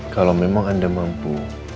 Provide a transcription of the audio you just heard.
kalau memang anda mampu